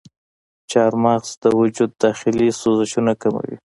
چارمغز د وجود داخلي سوزشونه کموي.